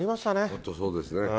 本当そうですね。